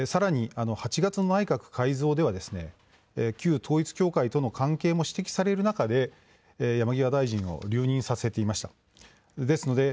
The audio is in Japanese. さらに８月の内閣改造では旧統一教会との関係も指摘される中で山際大臣を留任させていました。